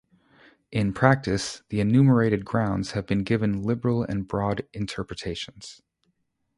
In practice, the enumerated grounds have been given liberal and broad interpretations.